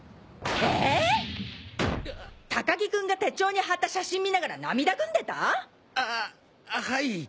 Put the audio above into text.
えぇ⁉高木君が手帳に貼った写真見ながら涙ぐんでた⁉あぁはい。